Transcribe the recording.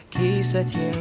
kisah cinta lain